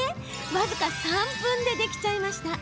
僅か３分で、できちゃいました。